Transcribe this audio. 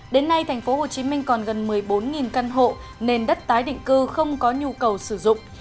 đến nay tp hcm còn gần một mươi bốn căn hộ nền đất tái định cư không có nhu cầu sử dụng